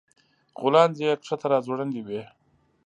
غولانځې يې ښکته راځوړندې وې